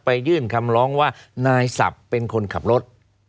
ยื่นคำร้องว่านายศัพท์เป็นคนขับรถ